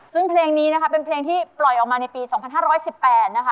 ซึ่งเพลงนี้นะคะเป็นเพลงที่ปล่อยออกมาในปี๒๕๑๘นะคะ